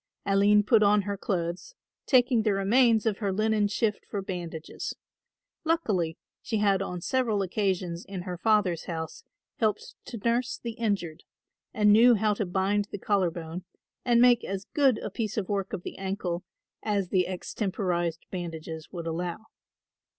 Aline put on her clothes, taking the remains of her linen shift for bandages. Luckily she had on several occasions in her father's house helped to nurse the injured and knew how to bind the collar bone and make as good a piece of work of the ankle as the extemporised bandages would allow.